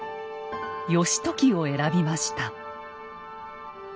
義時を選びました。